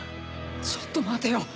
ちょっと待てよ